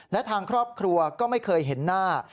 และทางครอบครัวก็ไม่เคยเห็นหน้า